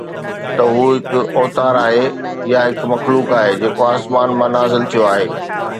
ته هو هڪ اوتار آهي يا هڪ مخلوق آهي جيڪو آسمان مان نازل ٿيو آهي